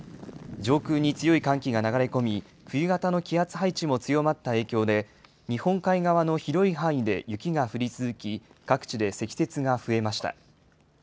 上空に強い寒気が流れ込み、冬型の気圧配置も強まった影響で、日本海側の広い範囲で雪が降り続き、各地で積雪が増えました。